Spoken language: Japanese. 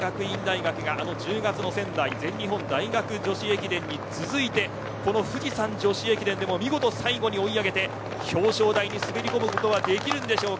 大阪学院大学が１０月の仙台全日本大学女子駅伝に続いてこの富士山女子駅伝でも見事に最後、追い上げて表彰台に滑り込むことができるでしょうか。